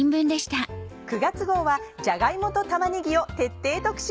９月号はじゃが芋と玉ねぎを徹底特集。